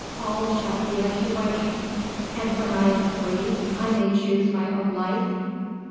All shall be as you wish." "And when I am free I may choose my own life?"